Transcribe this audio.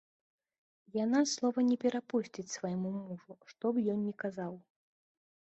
Яна слова не перапусціць свайму мужу, што б ён ні казаў.